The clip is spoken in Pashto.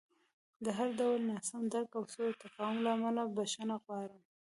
د هر ډول ناسم درک او سوء تفاهم له امله بښنه غواړم.